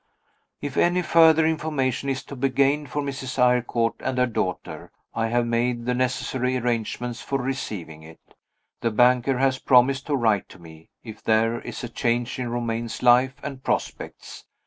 If any further information is to be gained for Mrs. Eyrecourt and her daughter, I have made the necessary arrangements for receiving it. The banker has promised to write to me, if there is a change in Romayne's life and prospects.